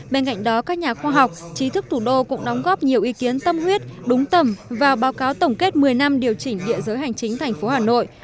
bên cạnh đó các nhà khoa học trí thức thủ đô cũng đóng góp nhiều ý kiến tâm huyết đúng tầm và báo cáo tổng kết một mươi năm điều chỉnh địa giới hành chính thành phố hà nội